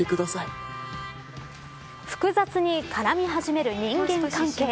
複雑に絡み始める人間関係。